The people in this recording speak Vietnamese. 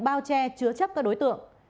bao che chứa chấp các đối tượng